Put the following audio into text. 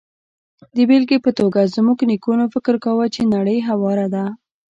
د بېلګې په توګه، زموږ نیکونو فکر کاوه چې نړۍ هواره ده.